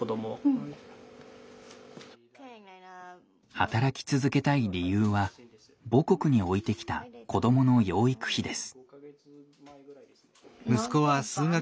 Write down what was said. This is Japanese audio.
働き続けたい理由は母国に置いてきた子どもの養育費です。